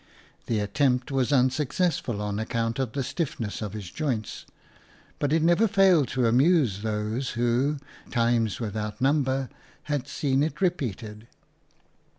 The attempt was unsuccessful on account of the stiffness of his joints, but it never failed to amuse those who, times without number, had seen it repeated.